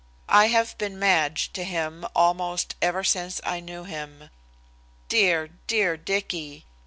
I have been "Madge" to him almost ever since I knew him. Dear, dear Dicky!